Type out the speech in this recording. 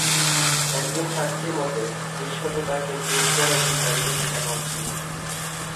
একজন সাক্ষীর মতে, দৃশ্যত তাকে জোর করে একটি গাড়িতে চাপানো হচ্ছিল।